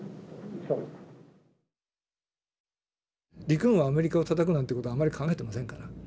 陸軍はアメリカをたたくなんて事はあまり考えていませんから。